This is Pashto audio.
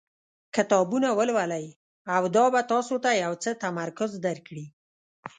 کتابونه ولولئ او دا به تاسو ته یو څه تمرکز درکړي.